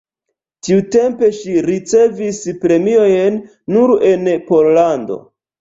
Tiutempe ŝi ricevis premiojn nur en Pollando.